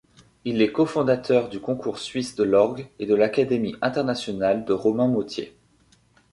Il est co-fondateur du Concours suisse de l’orgue et de l’Académie internationale de Romainmôtier.